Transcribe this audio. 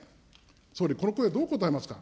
総理、この声、どうこたえますか。